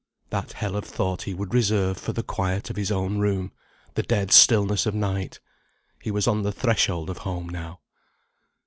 That hell of thought he would reserve for the quiet of his own room, the dead stillness of night. He was on the threshold of home now.